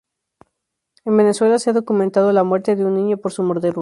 En Venezuela se ha documentado la muerte de un niño por su mordedura.